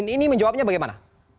ini menjawabnya bagaimana